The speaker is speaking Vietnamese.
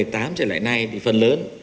hai nghìn một mươi tám trở lại nay thì phần lớn